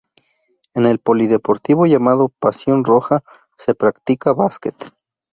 En el polideportivo llamado "Pasión roja" se practica básquet.